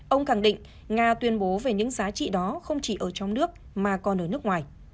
ông khẳng định nga tuyên bố về những giá trị đó không chỉ ở trong nước mà còn ở nước ngoài